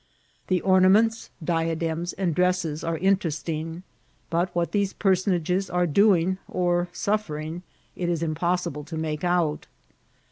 The ornaments, diadems^ and dresses are interesting, but what these personages are doing or suffering it is impossible to make out.